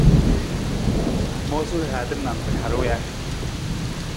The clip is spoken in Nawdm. Ng moosa rihaata nantar harung ja?